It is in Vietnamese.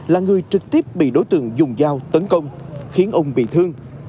là người trực tiếp bị đối tượng dùng dao tấn công khiến ung bị thương